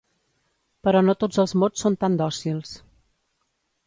Però no tots els mots són tan dòcils.